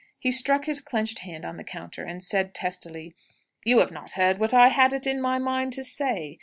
He struck his clenched hand on the counter, and said, testily, "You have not heard what I had it in my mind to say!